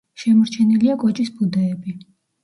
შემორჩენილია კოჭის ბუდეები.